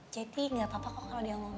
jadi gak apa apa kok kalau dia omelin